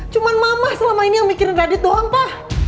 cuma mama selama ini yang mikirin radit doang pa